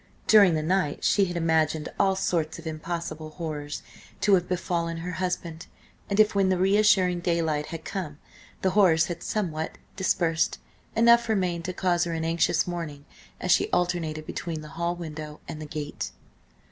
During the night she had imagined all sorts of impossible horrors to have befallen her husband, and if, when the reassuring daylight had come, the horrors had somewhat dispersed, enough remained to cause her an anxious morning as she alternated between the hall window and the gate.